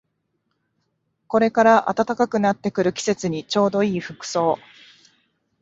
これから暖かくなってくる季節にちょうどいい服装